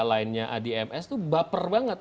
lainnya adi ms itu baper banget